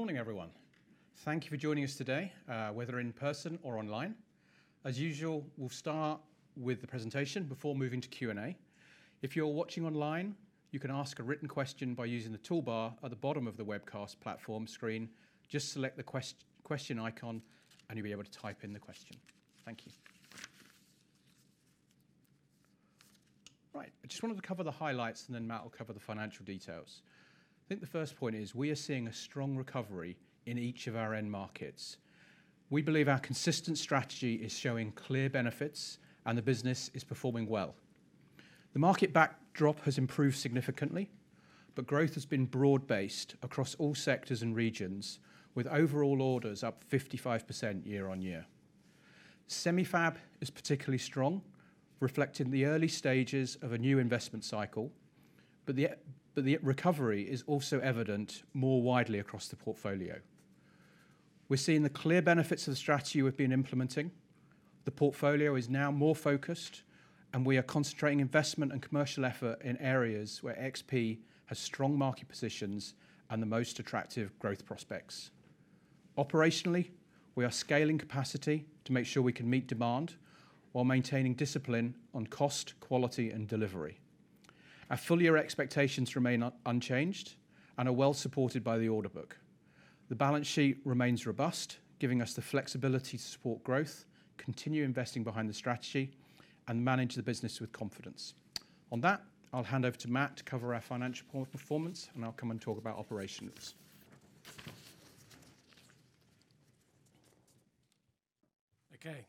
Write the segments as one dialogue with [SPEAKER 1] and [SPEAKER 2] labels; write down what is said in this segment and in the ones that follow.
[SPEAKER 1] Good morning, everyone. Thank you for joining us today, whether in person or online. As usual, we'll start with the presentation before moving to Q&A. If you're watching online, you can ask a written question by using the toolbar at the bottom of the webcast platform screen. Just select the question icon, and you'll be able to type in the question. Thank you. Right. I just wanted to cover the highlights and then Matt will cover the financial details. I think the first point is we are seeing a strong recovery in each of our end markets. We believe our consistent strategy is showing clear benefits, and the business is performing well. The market backdrop has improved significantly, but growth has been broad-based across all sectors and regions, with overall orders up 55% year-on-year. Semi fab is particularly strong, reflecting the early stages of a new investment cycle, but the recovery is also evident more widely across the portfolio. We're seeing the clear benefits of the strategy we've been implementing. The portfolio is now more focused, and we are concentrating investment and commercial effort in areas where XP has strong market positions and the most attractive growth prospects. Operationally, we are scaling capacity to make sure we can meet demand while maintaining discipline on cost, quality, and delivery. Our full-year expectations remain unchanged and are well supported by the order book. The balance sheet remains robust, giving us the flexibility to support growth, continue investing behind the strategy, and manage the business with confidence. On that, I'll hand over to Matt to cover our financial performance, and I'll come and talk about operations.
[SPEAKER 2] Okay.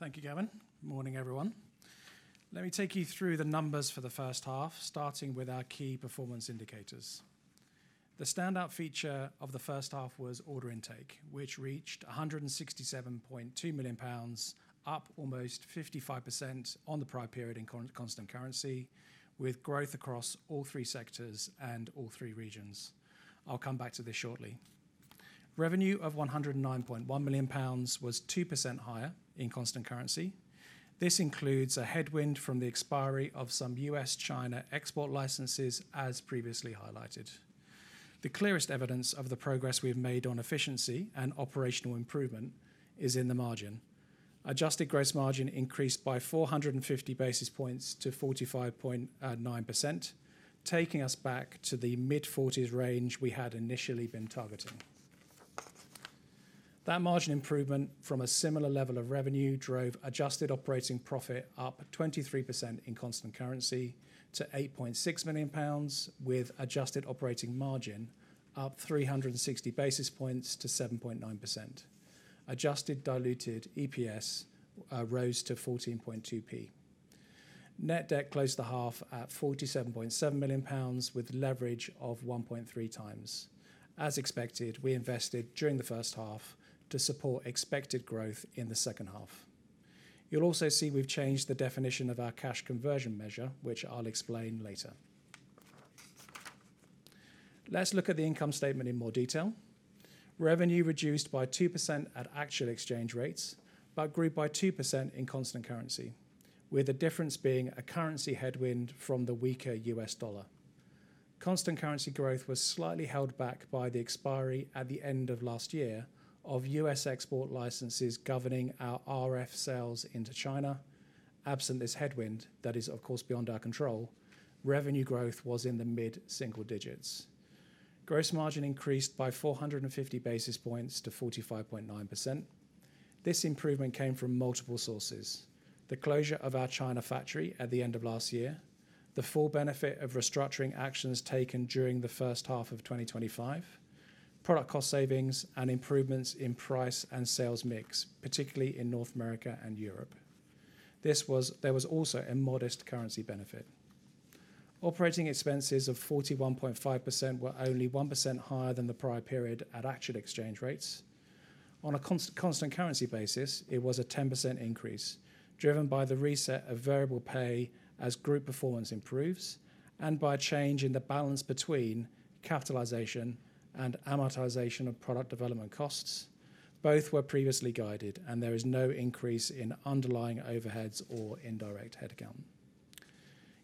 [SPEAKER 2] Thank you, Gavin. Morning, everyone. Let me take you through the numbers for the first half, starting with our key performance indicators. The standout feature of the first half was order intake, which reached 167.2 million pounds, up almost 55% on the prior period in constant currency, with growth across all three sectors and all three regions. I'll come back to this shortly. Revenue of 109.1 million pounds was 2% higher in constant currency. This includes a headwind from the expiry of some U.S.-China export licenses, as previously highlighted. The clearest evidence of the progress we've made on efficiency and operational improvement is in the margin. Adjusted gross margin increased by 450 basis points to 45.9%, taking us back to the mid-40s range we had initially been targeting. That margin improvement from a similar level of revenue drove adjusted operating profit up 23% in constant currency to 8.6 million pounds, with adjusted operating margin up 360 basis points to 7.9%. Adjusted diluted EPS rose to 0.142. Net debt closed the half at 47.7 million pounds, with leverage of 1.3x. As expected, we invested during the first half to support expected growth in the second half. You'll also see we've changed the definition of our cash conversion measure, which I'll explain later. Let's look at the income statement in more detail. Revenue reduced by 2% at actual exchange rates, but grew by 2% in constant currency, with the difference being a currency headwind from the weaker U.S. dollar. Constant currency growth was slightly held back by the expiry at the end of last year of U.S. export licenses governing our RF sales into China. Absent this headwind, that is, of course, beyond our control, revenue growth was in the mid-single digits. Gross margin increased by 450 basis points to 45.9%. This improvement came from multiple sources: the closure of our China factory at the end of last year, the full benefit of restructuring actions taken during the first half of 2025, product cost savings, and improvements in price and sales mix, particularly in North America and Europe. There was also a modest currency benefit. Operating expenses of 41.5% were only 1% higher than the prior period at actual exchange rates. On a constant currency basis, it was a 10% increase, driven by the reset of variable pay as group performance improves and by a change in the balance between capitalization and amortization of product development costs. Both were previously guided. There is no increase in underlying overheads or indirect headcount.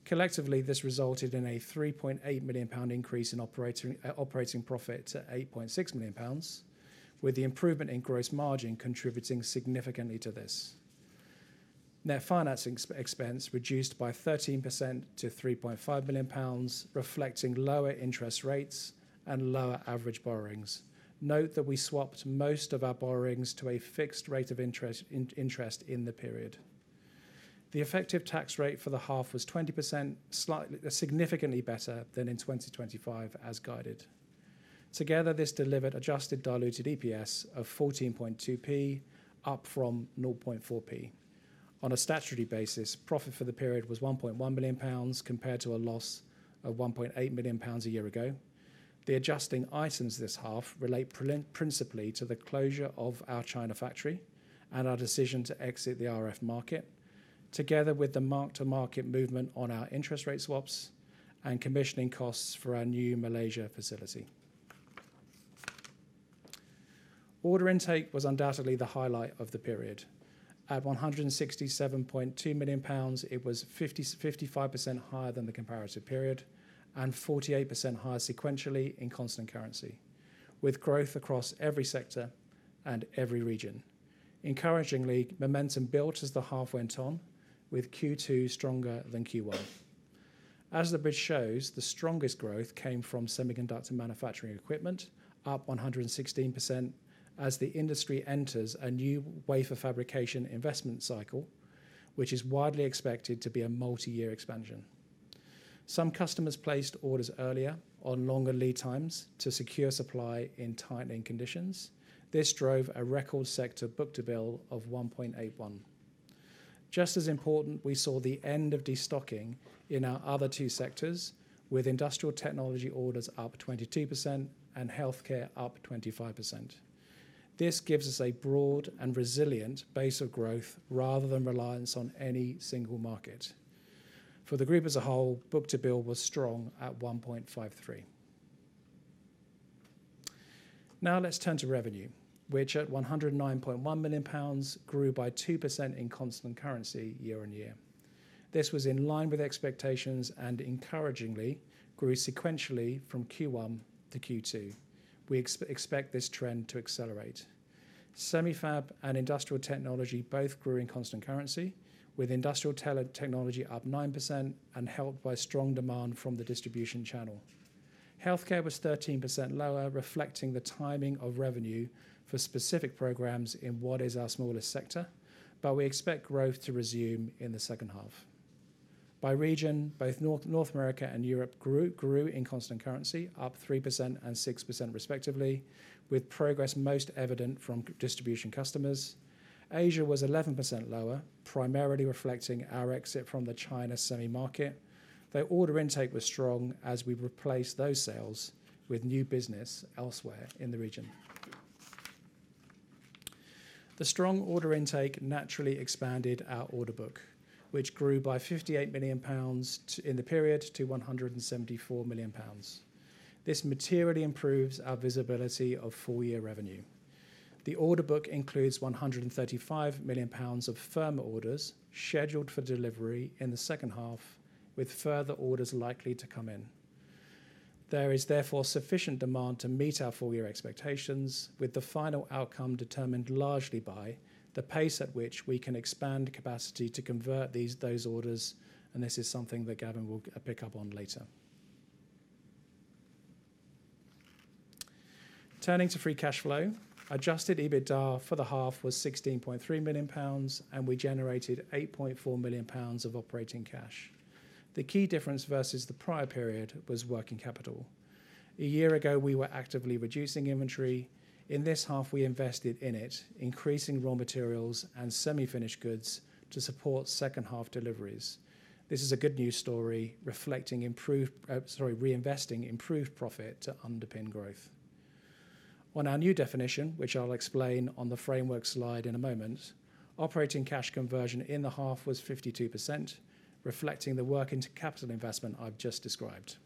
[SPEAKER 2] Collectively, this resulted in a 3.8 million pound increase in operating profit to 8.6 million pounds, with the improvement in gross margin contributing significantly to this. Net financing expense reduced by 13% to 3.5 million pounds, reflecting lower interest rates and lower average borrowings. Note that we swapped most of our borrowings to a fixed rate of interest in the period. The effective tax rate for the half was 20%, significantly better than in 2025, as guided. Together, this delivered adjusted diluted EPS of 0.142, up from 0.004. On a statutory basis, profit for the period was 1.1 million pounds, compared to a loss of 1.8 million pounds a year ago. The adjusting items this half relate principally to the closure of our China factory and our decision to exit the RF market, together with the mark-to-market movement on our interest rate swaps and commissioning costs for our new Malaysia facility. Order intake was undoubtedly the highlight of the period. At 167.2 million pounds, it was 55% higher than the comparative period, and 48% higher sequentially in constant currency, with growth across every sector and every region. Encouragingly, momentum built as the half went on, with Q2 stronger than Q1. As the bridge shows, the strongest growth came from semiconductor manufacturing equipment, up 116%, as the industry enters a new wafer fabrication investment cycle, which is widely expected to be a multi-year expansion. Some customers placed orders earlier on longer lead times to secure supply in tightening conditions. This drove a record sector book-to-bill of 1.81x. Just as important, we saw the end of destocking in our other two sectors, with industrial technology orders up 22% and healthcare up 25%. This gives us a broad and resilient base of growth rather than reliance on any single market. For the group as a whole, book-to-bill was strong at 1.53x. Now let's turn to revenue, which at 109.1 million pounds, grew by 2% in constant currency year-on-year. This was in line with expectations and encouragingly grew sequentially from Q1-Q2. We expect this trend to accelerate. Semi fab and industrial technology both grew in constant currency, with industrial technology up 9% and helped by strong demand from the distribution channel. Healthcare was 13% lower, reflecting the timing of revenue for specific programs in what is our smallest sector, but we expect growth to resume in the second half. By region, both North America and Europe grew in constant currency, up 3% and 6% respectively, with progress most evident from distribution customers. Asia was 11% lower, primarily reflecting our exit from the China semi market, though order intake was strong as we replaced those sales with new business elsewhere in the region. The strong order intake naturally expanded our order book, which grew by 58 million pounds in the period to 174 million pounds. This materially improves our visibility of full-year revenue. The order book includes 135 million pounds of firm orders scheduled for delivery in the second half, with further orders likely to come in. There is therefore sufficient demand to meet our full-year expectations, with the final outcome determined largely by the pace at which we can expand capacity to convert those orders. This is something that Gavin will pick up on later. Turning to free cash flow. Adjusted EBITDA for the half was 16.3 million pounds, and we generated 8.4 million pounds of operating cash. The key difference versus the prior period was working capital. A year ago, we were actively reducing inventory. In this half, we invested in it, increasing raw materials and semi-finished goods to support second half deliveries. This is a good news story, reinvesting improved profit to underpin growth. On our new definition, which I'll explain on the framework slide in a moment, operating cash conversion in the half was 52%, reflecting the work into capital investment I've just described.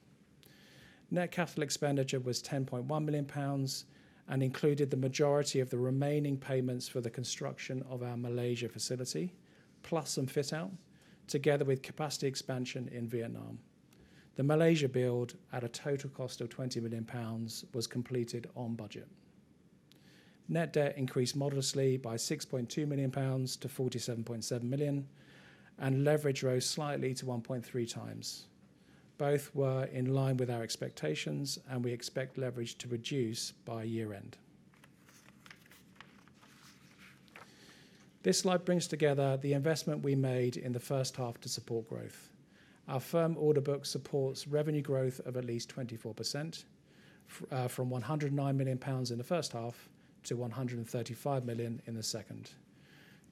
[SPEAKER 2] Net capital expenditure was 10.1 million pounds and included the majority of the remaining payments for the construction of our Malaysia facility, plus some fit out, together with capacity expansion in Vietnam. The Malaysia build, at a total cost of 20 million pounds, was completed on budget. Net debt increased modestly by 6.2 million pounds to 47.7 million, and leverage rose slightly to 1.3x. Both were in line with our expectations. We expect leverage to reduce by year end. This slide brings together the investment we made in the first half to support growth. Our firm order book supports revenue growth of at least 24%, from 109 million pounds in the first half to 135 million in the second.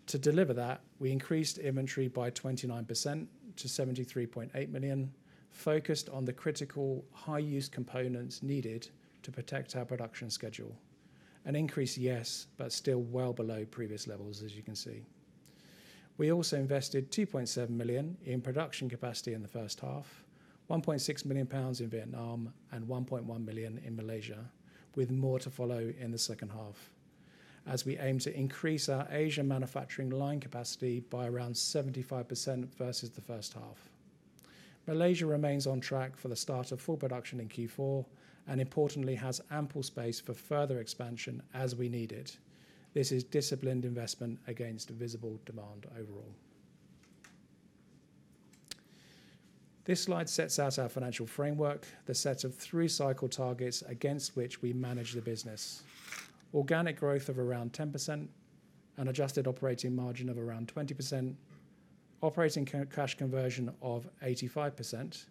[SPEAKER 2] To deliver that, we increased inventory by 29% to 73.8 million, focused on the critical high-use components needed to protect our production schedule. An increase, yes, but still well below previous levels, as you can see. We also invested 2.7 million in production capacity in the first half, 1.6 million pounds in Vietnam, and 1.1 million in Malaysia, with more to follow in the second half as we aim to increase our Asia manufacturing line capacity by around 75% versus the first half. Malaysia remains on track for the start of full production in Q4. Importantly, has ample space for further expansion as we need it. This is disciplined investment against visible demand overall. This slide sets out our financial framework, the set of three cycle targets against which we manage the business. Organic growth of around 10%, an adjusted operating margin of around 20%, operating cash conversion of 85%,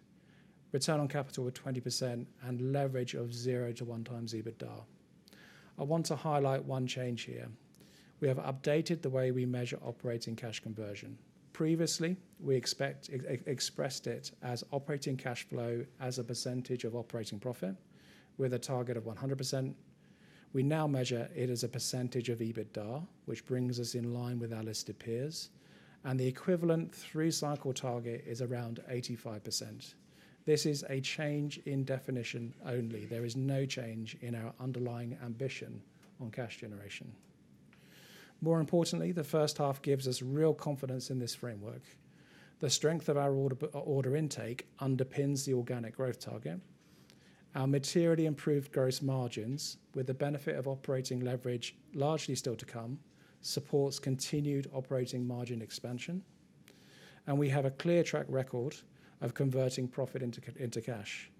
[SPEAKER 2] return on capital of 20%, and leverage of 0x-1x EBITDA. I want to highlight one change here. We have updated the way we measure operating cash conversion. Previously, we expressed it as operating cash flow as a percentage of operating profit with a target of 100%. We now measure it as a percentage of EBITDA, which brings us in line with our listed peers. The equivalent three cycle target is around 85%. This is a change in definition only. There is no change in our underlying ambition on cash generation. More importantly, the first half gives us real confidence in this framework. The strength of our order intake underpins the organic growth target. Our materially improved gross margins, with the benefit of operating leverage largely still to come, supports continued operating margin expansion. We have a clear track record of converting profit into cash.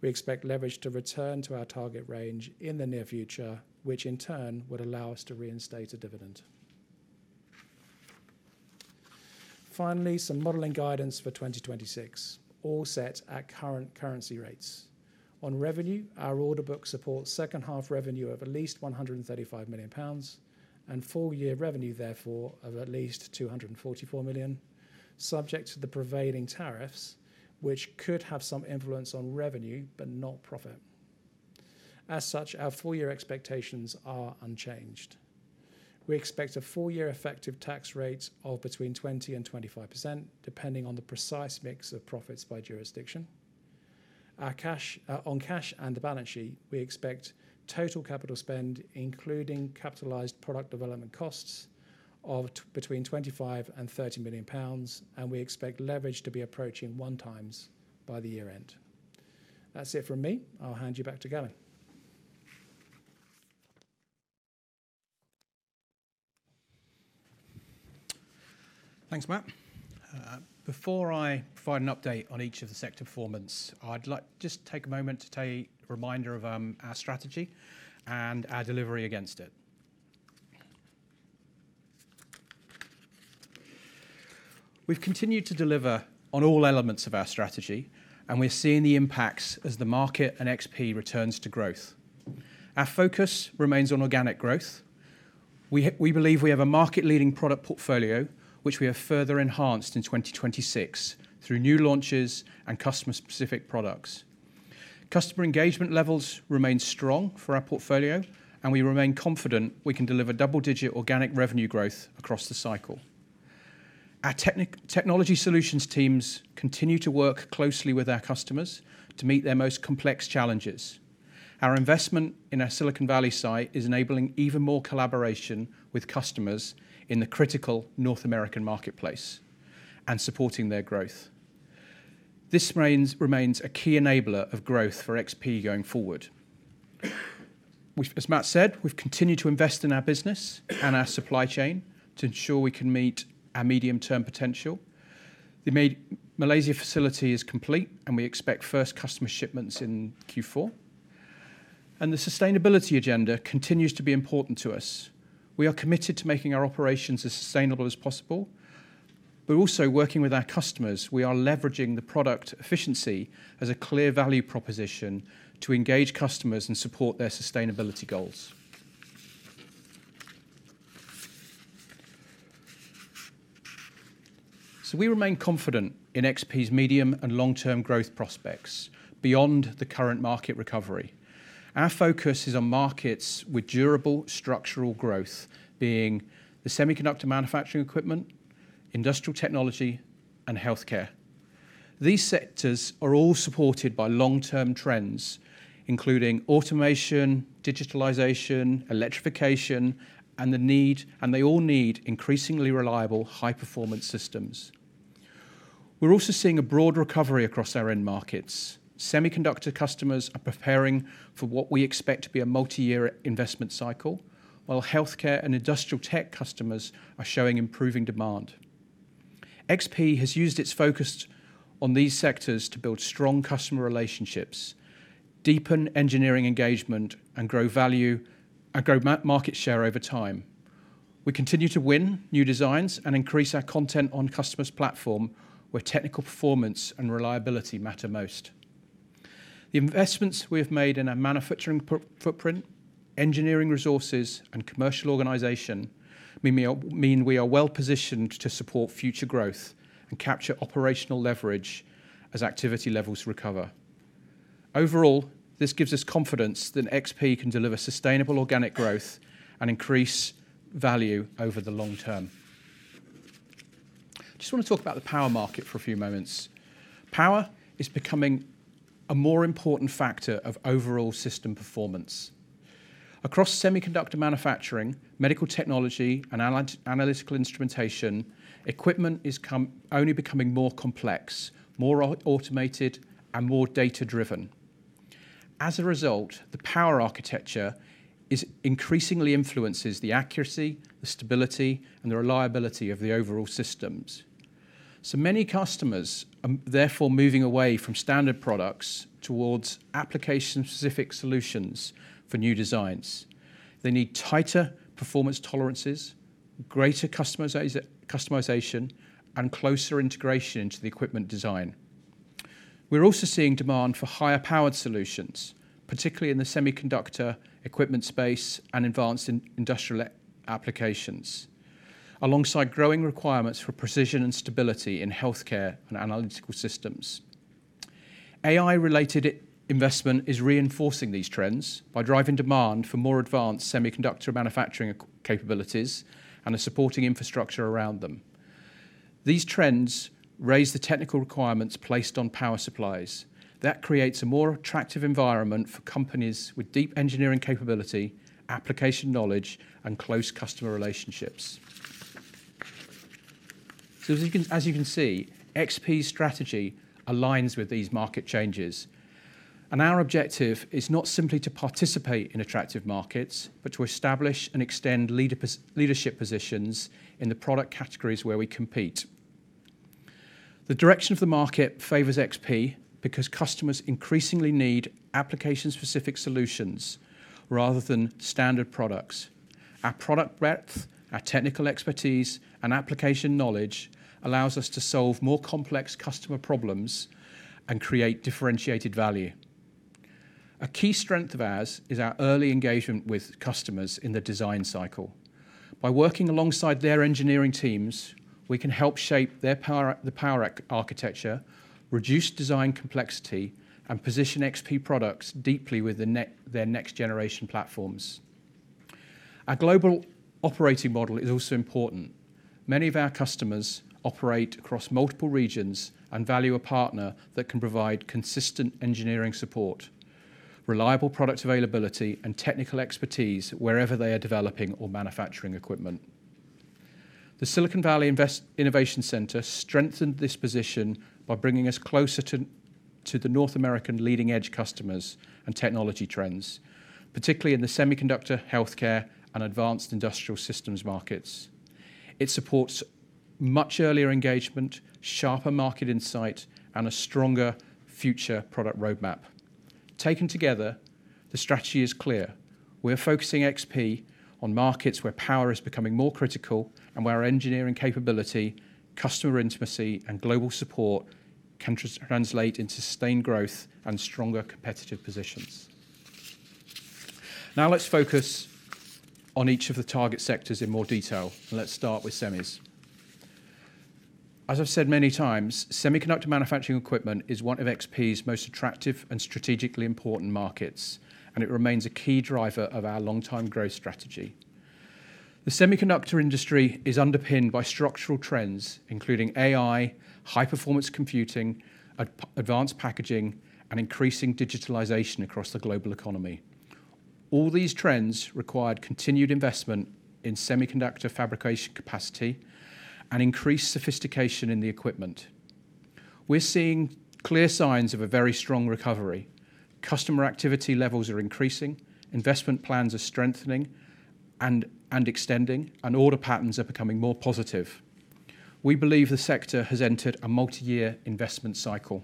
[SPEAKER 2] We expect leverage to return to our target range in the near future, which in turn would allow us to reinstate a dividend. Finally, some modeling guidance for 2026, all set at current currency rates. On revenue, our order book supports second half revenue of at least 135 million pounds, and full-year revenue therefore of at least 244 million, subject to the prevailing tariffs, which could have some influence on revenue but not profit. As such, our full-year expectations are unchanged. We expect a full-year effective tax rate of between 20%-25%, depending on the precise mix of profits by jurisdiction. On cash and the balance sheet, we expect total capital spend, including capitalized product development costs, of between 25 million-30 million pounds, and we expect leverage to be approaching 1x by the year-end. That's it from me. I'll hand you back to Gavin.
[SPEAKER 1] Thanks, Matt. Before I provide an update on each of the sector performance, I'd like just take a moment to tell you a reminder of our strategy and our delivery against it. We've continued to deliver on all elements of our strategy. We're seeing the impacts as the market and XP returns to growth. Our focus remains on organic growth. We believe we have a market-leading product portfolio which we have further enhanced in 2026 through new launches and customer-specific products. Customer engagement levels remain strong for our portfolio. We remain confident we can deliver double-digit organic revenue growth across the cycle. Our technology solutions teams continue to work closely with our customers to meet their most complex challenges. Our investment in our Silicon Valley site is enabling even more collaboration with customers in the critical North American marketplace and supporting their growth. This remains a key enabler of growth for XP going forward. As Matt said, we've continued to invest in our business and our supply chain to ensure we can meet our medium-term potential. The Malaysia facility is complete. We expect first customer shipments in Q4. The sustainability agenda continues to be important to us. We are committed to making our operations as sustainable as possible. We are also working with our customers. We are leveraging the product efficiency as a clear value proposition to engage customers and support their sustainability goals. We remain confident in XP's medium and long-term growth prospects beyond the current market recovery. Our focus is on markets with durable structural growth, being the semiconductor manufacturing equipment, industrial technology, and healthcare. These sectors are all supported by long-term trends, including automation, digitalization, electrification. They all need increasingly reliable, high-performance systems. We're also seeing a broad recovery across our end markets. Semiconductor customers are preparing for what we expect to be a multi-year investment cycle, while healthcare and industrial tech customers are showing improving demand. XP has used its focus on these sectors to build strong customer relationships, deepen engineering engagement, and grow market share over time. We continue to win new designs and increase our content on customers' platform where technical performance and reliability matter most. The investments we have made in our manufacturing footprint, engineering resources, and commercial organization mean we are well-positioned to support future growth and capture operational leverage as activity levels recover. Overall, this gives us confidence that XP can deliver sustainable organic growth and increase value over the long term. I just want to talk about the power market for a few moments. Power is becoming a more important factor of overall system performance. Across semiconductor manufacturing, medical technology, and analytical instrumentation, equipment is only becoming more complex, more automated, and more data-driven. As a result, the power architecture increasingly influences the accuracy, the stability, and the reliability of the overall systems. Many customers are therefore moving away from standard products towards application-specific solutions for new designs. They need tighter performance tolerances, greater customization, and closer integration into the equipment design. We're also seeing demand for higher-powered solutions, particularly in the semiconductor equipment space and advanced industrial applications, alongside growing requirements for precision and stability in healthcare and analytical systems. AI-related investment is reinforcing these trends by driving demand for more advanced semiconductor manufacturing capabilities and a supporting infrastructure around them. These trends raise the technical requirements placed on power supplies. That creates a more attractive environment for companies with deep engineering capability, application knowledge, and close customer relationships. As you can see, XP's strategy aligns with these market changes, and our objective is not simply to participate in attractive markets, but to establish and extend leadership positions in the product categories where we compete. The direction of the market favors XP because customers increasingly need application-specific solutions rather than standard products. Our product breadth, our technical expertise, and application knowledge allows us to solve more complex customer problems and create differentiated value. A key strength of ours is our early engagement with customers in the design cycle. By working alongside their engineering teams, we can help shape the power architecture, reduce design complexity, and position XP products deeply with their next-generation platforms. Our global operating model is also important. Many of our customers operate across multiple regions and value a partner that can provide consistent engineering support, reliable product availability, and technical expertise wherever they are developing or manufacturing equipment. The Silicon Valley Innovation Center strengthened this position by bringing us closer to the North American leading-edge customers and technology trends, particularly in the semiconductor, healthcare, and advanced industrial systems markets. It supports much earlier engagement, sharper market insight, and a stronger future product roadmap. Taken together, the strategy is clear. We're focusing XP on markets where power is becoming more critical and where our engineering capability, customer intimacy, and global support can translate into sustained growth and stronger competitive positions. Let's focus on each of the target sectors in more detail. Let's start with semis. As I've said many times, semiconductor manufacturing equipment is one of XP's most attractive and strategically important markets, and it remains a key driver of our long-time growth strategy. The semiconductor industry is underpinned by structural trends including AI, high-performance computing, advanced packaging, and increasing digitalization across the global economy. All these trends require continued investment in semiconductor fabrication capacity and increased sophistication in the equipment. We're seeing clear signs of a very strong recovery. Customer activity levels are increasing, investment plans are strengthening and extending, and order patterns are becoming more positive. We believe the sector has entered a multi-year investment cycle.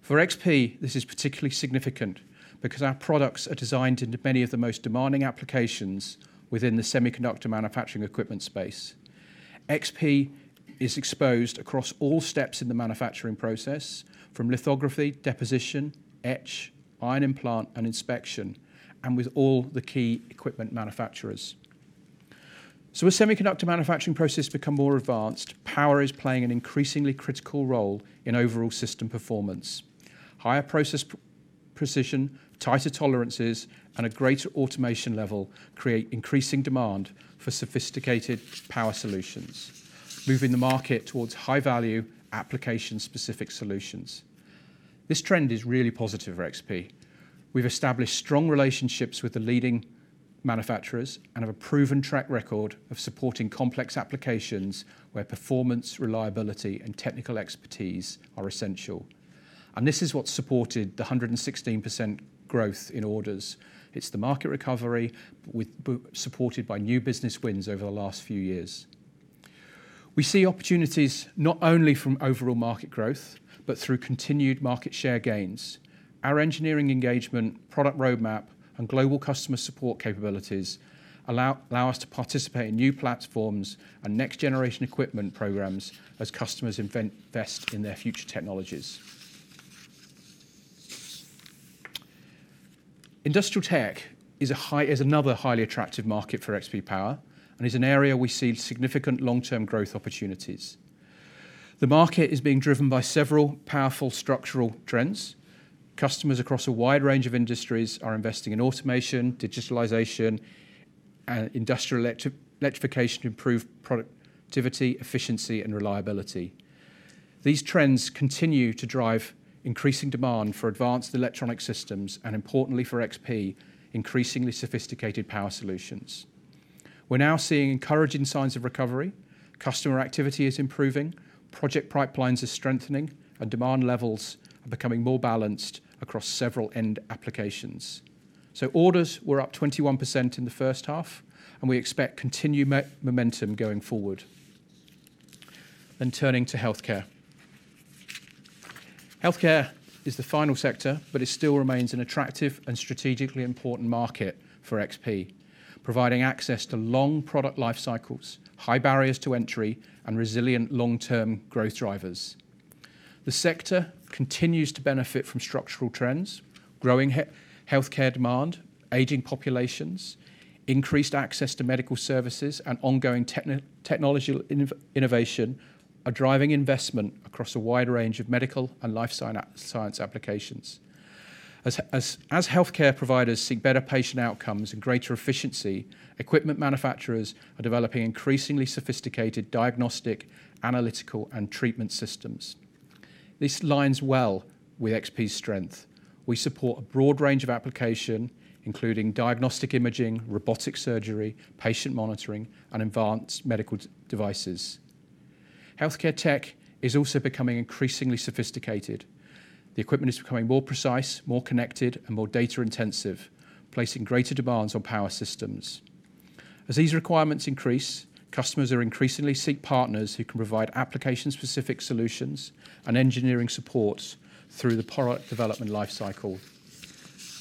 [SPEAKER 1] For XP, this is particularly significant because our products are designed into many of the most demanding applications within the semiconductor manufacturing equipment space. XP is exposed across all steps in the manufacturing process, from lithography, deposition, etch, ion implant, and inspection, and with all the key equipment manufacturers. As semiconductor manufacturing processes become more advanced, power is playing an increasingly critical role in overall system performance. Higher process precision, tighter tolerances, and a greater automation level create increasing demand for sophisticated power solutions, moving the market towards high-value application-specific solutions. This trend is really positive for XP. We've established strong relationships with the leading manufacturers and have a proven track record of supporting complex applications where performance, reliability, and technical expertise are essential. This is what supported the 116% growth in orders. It's the market recovery supported by new business wins over the last few years. We see opportunities not only from overall market growth, but through continued market share gains. Our engineering engagement, product roadmap, and global customer support capabilities allow us to participate in new platforms and next-generation equipment programs as customers invest in their future technologies. Industrial tech is another highly attractive market for XP Power and is an area we see significant long-term growth opportunities. The market is being driven by several powerful structural trends. Customers across a wide range of industries are investing in automation, digitalization, and industrial electrification to improve productivity, efficiency, and reliability. These trends continue to drive increasing demand for advanced electronic systems and, importantly for XP, increasingly sophisticated power solutions. We're now seeing encouraging signs of recovery. Customer activity is improving. Project pipelines are strengthening, and demand levels are becoming more balanced across several end applications. Orders were up 21% in the first half, and we expect continued momentum going forward. Turning to healthcare. Healthcare is the final sector, it still remains an attractive and strategically important market for XP, providing access to long product life cycles, high barriers to entry, and resilient long-term growth drivers. The sector continues to benefit from structural trends, growing healthcare demand, aging populations, increased access to medical services, and ongoing technological innovation are driving investment across a wide range of medical and life science applications. As healthcare providers seek better patient outcomes and greater efficiency, equipment manufacturers are developing increasingly sophisticated diagnostic, analytical, and treatment systems. This aligns well with XP's strength. We support a broad range of application, including diagnostic imaging, robotic surgery, patient monitoring, and advanced medical devices. Healthcare tech is also becoming increasingly sophisticated. The equipment is becoming more precise, more connected, and more data intensive, placing greater demands on power systems. As these requirements increase, customers are increasingly seek partners who can provide application-specific solutions and engineering support through the product development life cycle.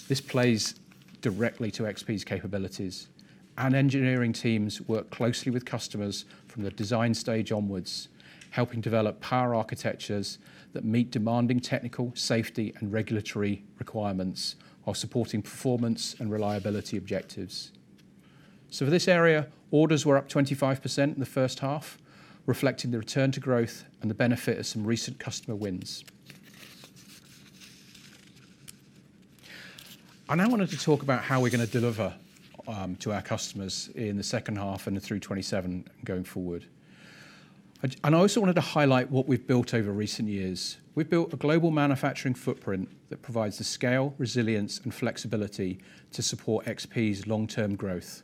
[SPEAKER 1] This plays directly to XP's capabilities. Our engineering teams work closely with customers from the design stage onwards, helping develop power architectures that meet demanding technical, safety, and regulatory requirements while supporting performance and reliability objectives. For this area, orders were up 25% in the first half, reflecting the return to growth and the benefit of some recent customer wins. I now want to talk about how we're going to deliver to our customers in the second half and through 2027 going forward. I also want to highlight what we've built over recent years. We've built a global manufacturing footprint that provides the scale, resilience, and flexibility to support XP's long-term growth.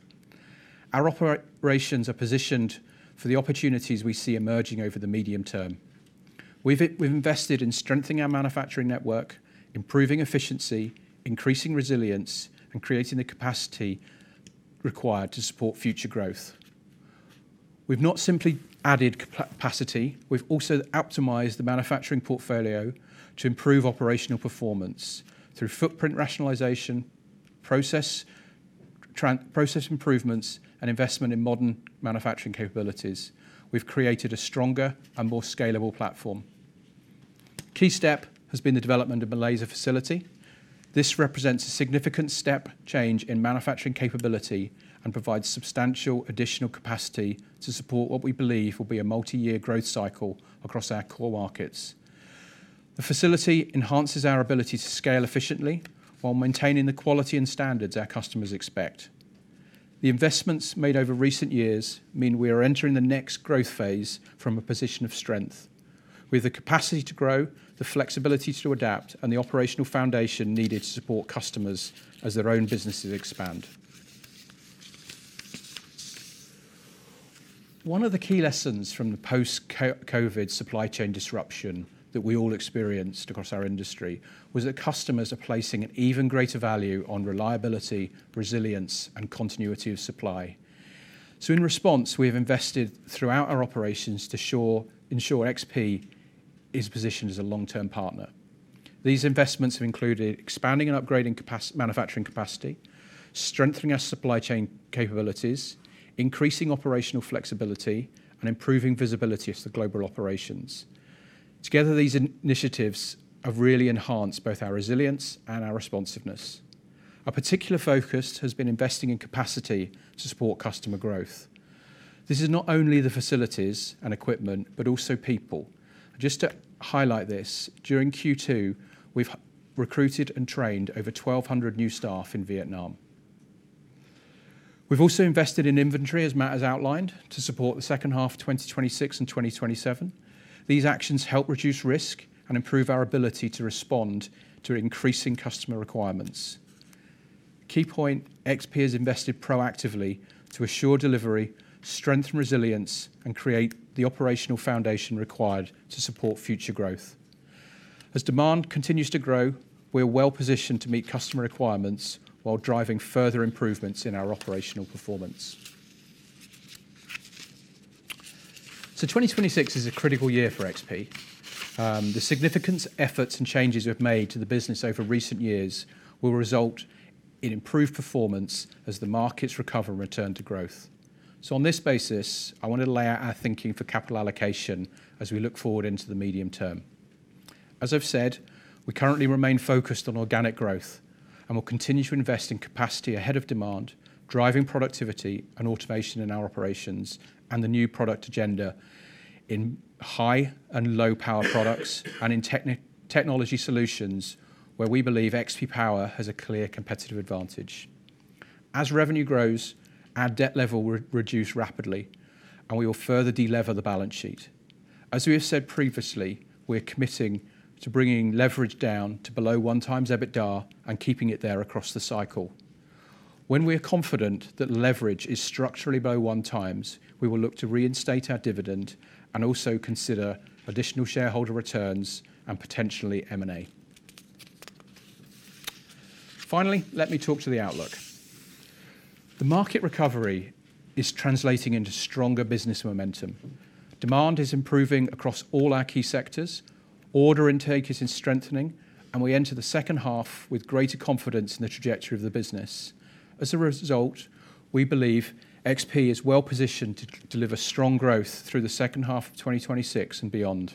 [SPEAKER 1] Our operations are positioned for the opportunities we see emerging over the medium term. We've invested in strengthening our manufacturing network, improving efficiency, increasing resilience, and creating the capacity required to support future growth. We've not simply added capacity, we've also optimized the manufacturing portfolio to improve operational performance through footprint rationalization, process improvements, and investment in modern manufacturing capabilities. We've created a stronger and more scalable platform. Key step has been the development of the Malaysia facility. This represents a significant step change in manufacturing capability and provides substantial additional capacity to support what we believe will be a multi-year growth cycle across our core markets. The facility enhances our ability to scale efficiently while maintaining the quality and standards our customers expect. The investments made over recent years mean we are entering the next growth phase from a position of strength. We have the capacity to grow, the flexibility to adapt, and the operational foundation needed to support customers as their own businesses expand. One of the key lessons from the post-COVID supply chain disruption that we all experienced across our industry was that customers are placing an even greater value on reliability, resilience, and continuity of supply. In response, we have invested throughout our operations to ensure XP is positioned as a long-term partner. These investments have included expanding and upgrading manufacturing capacity, strengthening our supply chain capabilities, increasing operational flexibility, and improving visibility of the global operations. Together, these initiatives have really enhanced both our resilience and our responsiveness. Our particular focus has been investing in capacity to support customer growth. This is not only the facilities and equipment, but also people. Just to highlight this, during Q2, we've recruited and trained over 1,200 new staff in Vietnam. We've also invested in inventory, as Matt has outlined, to support the second half of 2026 and 2027. These actions help reduce risk and improve our ability to respond to increasing customer requirements. Key point, XP has invested proactively to assure delivery, strengthen resilience, and create the operational foundation required to support future growth. As demand continues to grow, we're well-positioned to meet customer requirements while driving further improvements in our operational performance. 2026 is a critical year for XP. The significant efforts and changes we've made to the business over recent years will result in improved performance as the markets recover and return to growth. On this basis, I want to lay out our thinking for capital allocation as we look forward into the medium term. As I've said, we currently remain focused on organic growth and will continue to invest in capacity ahead of demand, driving productivity and automation in our operations and the new product agenda in high and low power products and in technology solutions where we believe XP Power has a clear competitive advantage. As revenue grows, our debt level will reduce rapidly, and we will further delever the balance sheet. As we have said previously, we're committing to bringing leverage down to below 1x EBITDA and keeping it there across the cycle. When we are confident that leverage is structurally below 1x, we will look to reinstate our dividend and also consider additional shareholder returns and potentially M&A. Let me talk to the outlook. The market recovery is translating into stronger business momentum. Demand is improving across all our key sectors. Order intake is strengthening. We enter the second half with greater confidence in the trajectory of the business. We believe XP is well-positioned to deliver strong growth through the second half of 2026 and beyond.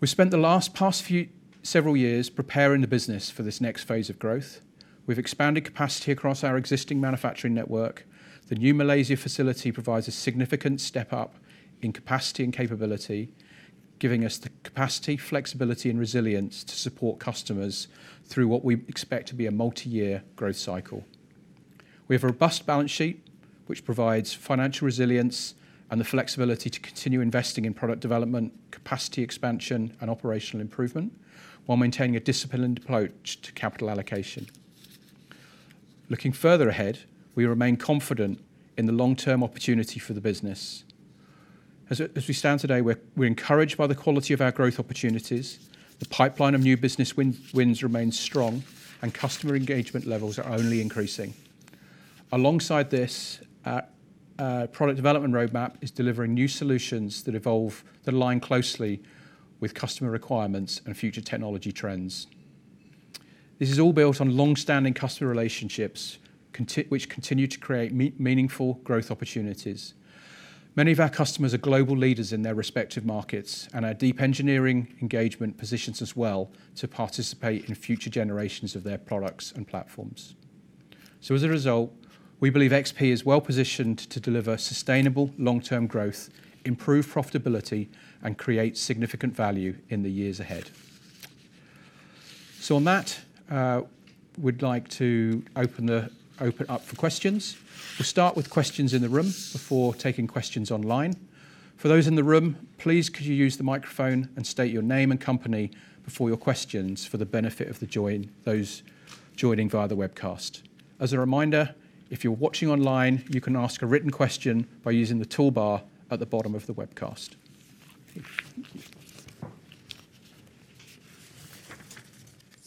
[SPEAKER 1] We spent the last several years preparing the business for this next phase of growth. We've expanded capacity across our existing manufacturing network. The new Malaysia facility provides a significant step up in capacity and capability, giving us the capacity, flexibility, and resilience to support customers through what we expect to be a multi-year growth cycle. We have a robust balance sheet which provides financial resilience and the flexibility to continue investing in product development, capacity expansion, and operational improvement while maintaining a disciplined approach to capital allocation. We remain confident in the long-term opportunity for the business. We're encouraged by the quality of our growth opportunities. The pipeline of new business wins remains strong. Customer engagement levels are only increasing. Along side this, our product development roadmap is delivering new solutions that align closely with customer requirements and future technology trends. This is all built on longstanding customer relationships which continue to create meaningful growth opportunities. Many of our customers are global leaders in their respective markets. Our deep engineering engagement positions us well to participate in future generations of their products and platforms. We believe XP is well-positioned to deliver sustainable long-term growth, improve profitability, and create significant value in the years ahead. On that, we'd like to open up for questions. We'll start with questions in the room before taking questions online. For those in the room, please could you use the microphone and state your name and company before your questions for the benefit of those joining via the webcast. If you're watching online, you can ask a written question by using the toolbar at the bottom of the webcast.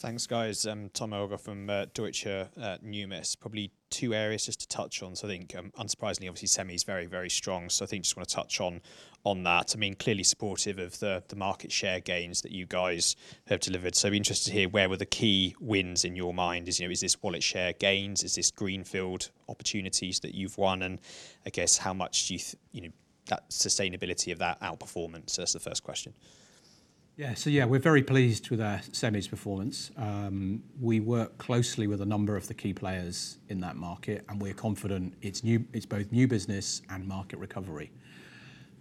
[SPEAKER 3] Thanks, guys. Thomas Elgar from Deutsche Numis. Probably two areas just to touch on. Unsurprisingly, obviously semis very, very strong. I think I just want to touch on that. Clearly supportive of the market share gains that you guys have delivered. Interested to hear where were the key wins in your mind. Is this wallet share gains? Is this greenfield opportunities that you've won? I guess how much do you think that sustainability of that outperformance? That's the first question.
[SPEAKER 1] Yeah. Yeah, we're very pleased with our semis performance. We work closely with a number of the key players in that market, and we're confident it's both new business and market recovery.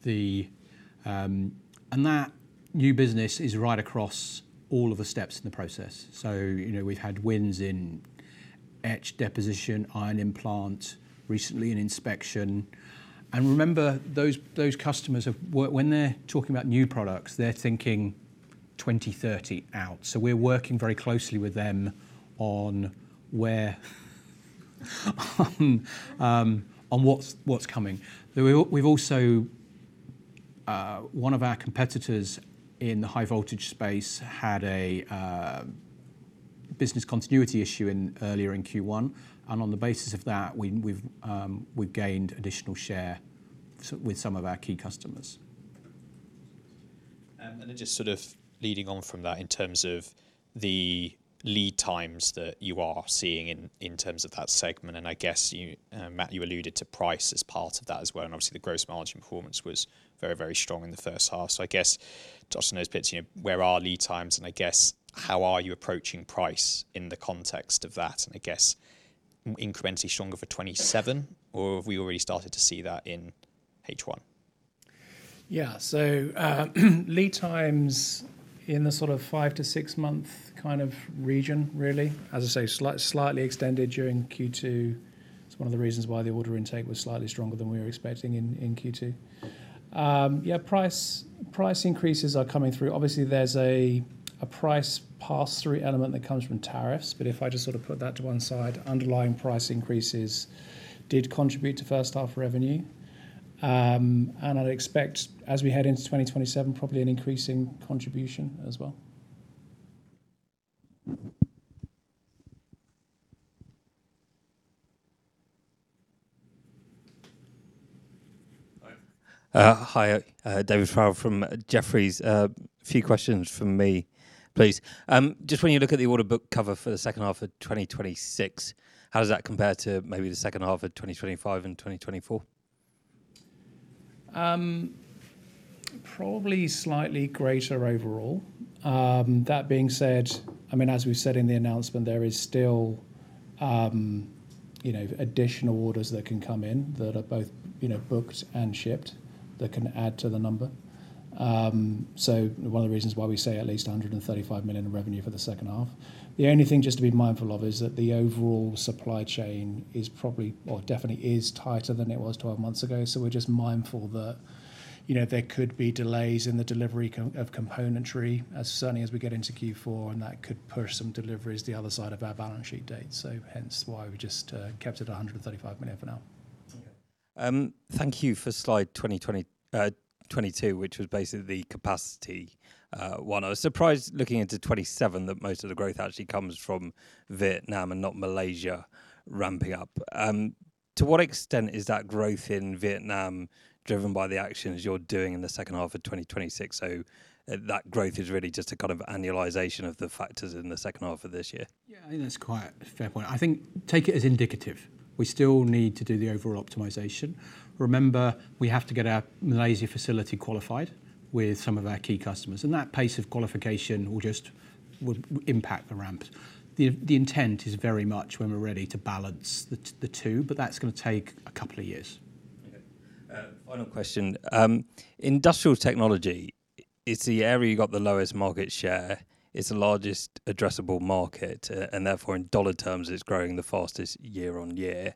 [SPEAKER 1] That new business is right across all of the steps in the process. We've had wins in etch, deposition, ion implant, recently in inspection. Remember, those customers, when they're talking about new products, they're thinking 2030 out. We're working very closely with them on what's coming. One of our competitors in the high voltage space had a business continuity issue earlier in Q1, and on the basis of that, we've gained additional share with some of our key customers.
[SPEAKER 3] Just sort of leading on from that, in terms of the lead times that you are seeing in terms of that segment, and I guess, Matt, you alluded to price as part of that as well, and obviously the gross margin performance was very, very strong in the first half. I guess [that's here] where are lead times and, I guess, how are you approaching price in the context of that? I guess incrementally stronger for 2027 or have we already started to see that in H1?
[SPEAKER 2] Yeah. Lead times in the sort of five to six month region, really. As I say, slightly extended during Q2. It's one of the reasons why the order intake was slightly stronger than we were expecting in Q2. Price increases are coming through. Obviously, there's a price pass-through element that comes from tariffs, but if I just sort of put that to one side, underlying price increases did contribute to first half revenue. I'd expect as we head into 2027, probably an increasing contribution as well.
[SPEAKER 4] Hi. David Farrell from Jefferies. A few questions from me, please. When you look at the order book cover for the second half of 2026, how does that compare to maybe the second half of 2025 and 2024?
[SPEAKER 2] Probably slightly greater overall. That being said, as we've said in the announcement, there is still additional orders that can come in that are both booked and shipped that can add to the number. One of the reasons why we say at least 135 million in revenue for the second half. The only thing just to be mindful of is that the overall supply chain is probably or definitely is tighter than it was 12 months ago. We're just mindful that there could be delays in the delivery of componentry certainly as we get into Q4, and that could push some deliveries the other side of our balance sheet date. Hence why we just kept it 135 million for now.
[SPEAKER 4] Okay. Thank you for slide 22, which was basically the capacity one. I was surprised looking into 2027 that most of the growth actually comes from Vietnam and not Malaysia ramping up. To what extent is that growth in Vietnam driven by the actions you're doing in the second half of 2026? That growth is really just a kind of annualization of the factors in the second half of this year?
[SPEAKER 1] Yeah, I think that's quite a fair point. I think take it as indicative. We still need to do the overall optimization. Remember, we have to get our Malaysia facility qualified with some of our key customers, and that pace of qualification will impact the ramp. The intent is very much when we're ready to balance the two, but that's going to take a couple of years.
[SPEAKER 4] Final question. Industrial technology, it's the area you got the lowest market share, it's the largest addressable market, and therefore in dollar terms, it's growing the fastest year-on-year.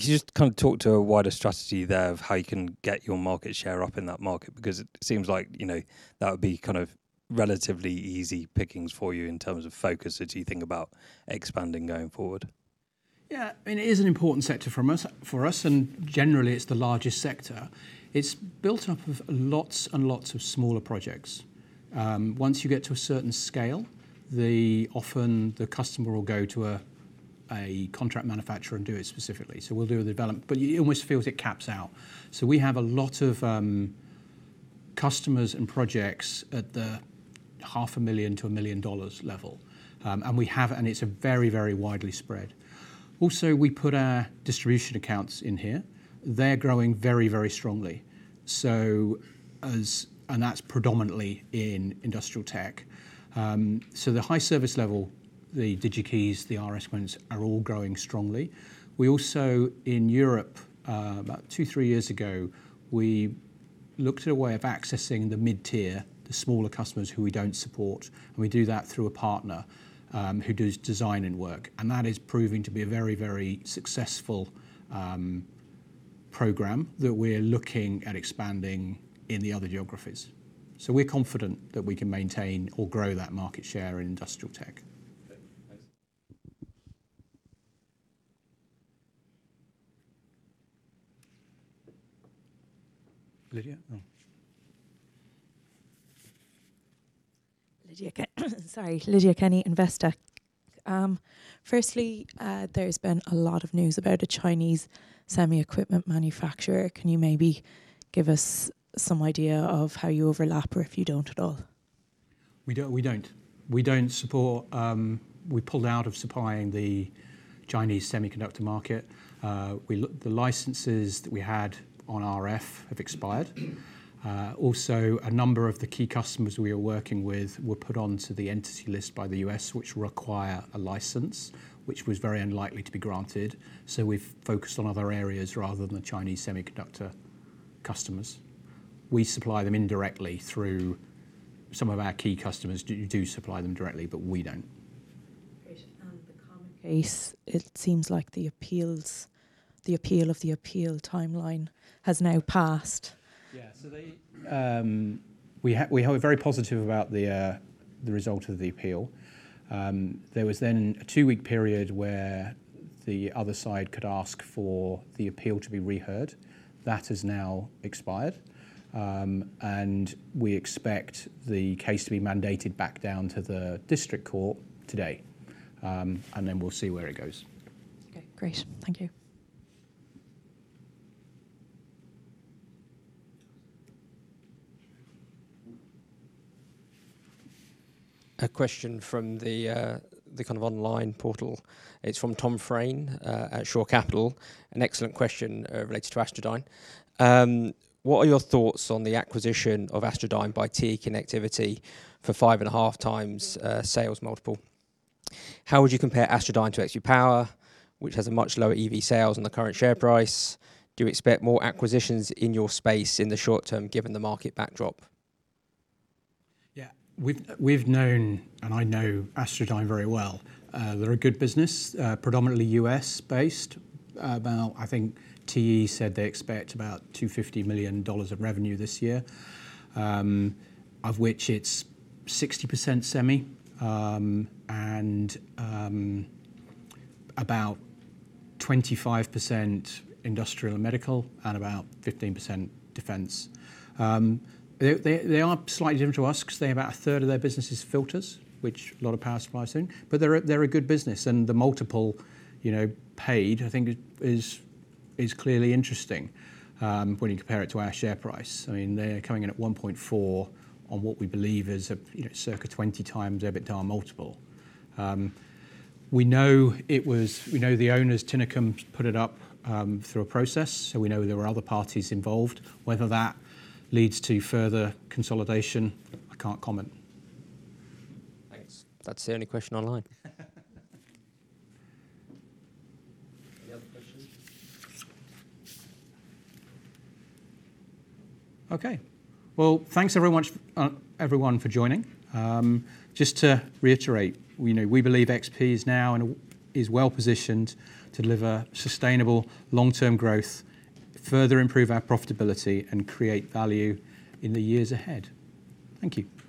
[SPEAKER 4] Can you just talk to a wider strategy there of how you can get your market share up in that market? It seems like that would be relatively easy pickings for you in terms of focus as you think about expanding going forward.
[SPEAKER 1] Yeah. It is an important sector for us, generally, it's the largest sector. It's built up of lots and lots of smaller projects. Once you get to a certain scale, often the customer will go to a contract manufacturer and do it specifically. We'll do the development. It almost feels it caps out. We have a lot of customers and projects at the $500,000-$1 million level. It's very widely spread. Also, we put our distribution accounts in here. They're growing very strongly. That's predominantly in Industrial tech. The high service level, the Digi-Key, the RS ones, are all growing strongly. We also, in Europe, about two, three years ago, we looked at a way of accessing the mid-tier, the smaller customers who we don't support, and we do that through a partner who does design and work. That is proving to be a very successful program that we're looking at expanding in the other geographies. We're confident that we can maintain or grow that market share in Industrial tech.
[SPEAKER 4] Okay, thanks.
[SPEAKER 1] Lydia?
[SPEAKER 5] Lydia Kenny with Investec. There's been a lot of news about a Chinese semi equipment manufacturer. Can you maybe give us some idea of how you overlap or if you don't at all?
[SPEAKER 1] We don't. We pulled out of supplying the Chinese semiconductor market. The licenses that we had on RF have expired. A number of the key customers we are working with were put onto the Entity List by the U.S., which require a license, which was very unlikely to be granted, we've focused on other areas rather than the Chinese semiconductor customers. We supply them indirectly through some of our key customers. Do supply them directly, but we don't.
[SPEAKER 5] Great. The court case, it seems like the appeal of the appeal timeline has now passed.
[SPEAKER 1] Yeah. We are very positive about the result of the appeal. There was then a two-week period where the other side could ask for the appeal to be reheard. That has now expired. We expect the case to be mandated back down to the district court today, and then we'll see where it goes.
[SPEAKER 5] Okay, great. Thank you.
[SPEAKER 2] A question from the online portal. It's from Tom Fraine, at Shore Capital. An excellent question related to Astrodyne. What are your thoughts on the acquisition of Astrodyne by TE Connectivity for 5.5x sales multiple? How would you compare Astrodyne to XP Power, which has a much lower EV sales and the current share price? Do you expect more acquisitions in your space in the short term given the market backdrop?
[SPEAKER 1] Yeah. We've known, and I know Astrodyne very well. They're a good business. Predominantly U.S.-based. About, I think TE said they expect about $250 million of revenue this year, of which it's 60% semi, and about 25% industrial and medical, and about 15% defense. They are slightly different to us because they have about 1/3 of their business is filters, which a lot of power supplies are in. They're a good business, and the multiple paid I think is clearly interesting when you compare it to our share price. They're coming in at 1.4x on what we believe is circa 20x EBITDA multiple. We know the owners, Tinicum, put it up through a process, so we know there were other parties involved. Whether that leads to further consolidation, I can't comment.
[SPEAKER 2] Thanks. That's the only question online.
[SPEAKER 1] Any other questions? Okay. Well, thanks everyone for joining. Just to reiterate, we believe XP is now and is well-positioned to deliver sustainable long-term growth, further improve our profitability, and create value in the years ahead. Thank you.